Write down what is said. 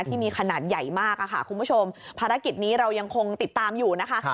ที่มีขนาดใหญ่มากค่ะคุณผู้ชมภารกิจนี้เรายังคงติดตามอยู่นะคะ